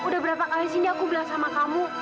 seberapa kali sindi aku belas sama kamu